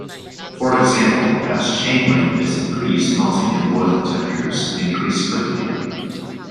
For example, as chain length is increased, melting and boiling temperatures increase quickly.